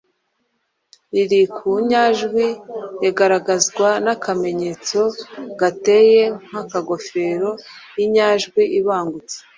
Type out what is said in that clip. riri ku nyajwi rigaragazwa n’akamenyetso gateye nk’akagofero Inyajwi ibangutse